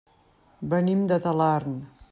Venim de Talarn.